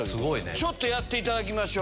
ちょっとやっていただきましょう。